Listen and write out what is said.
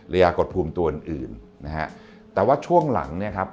ยากดภูมิตัวอื่นอื่นนะฮะแต่ว่าช่วงหลังเนี่ยครับ